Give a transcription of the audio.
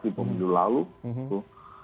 di pemilu lalu itu